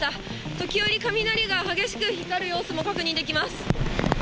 時折、雷が激しく光る様子も確認できます。